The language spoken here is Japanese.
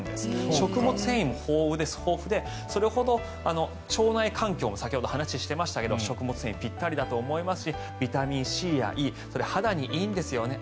食物繊維も豊富で腸内環境も先ほど話していましたが食物繊維ぴったりだと思いますしビタミンＣやＥ肌にいいんですよね。